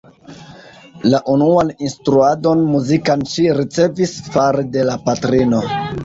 La unuan instruadon muzikan ŝi ricevis fare de la patrino.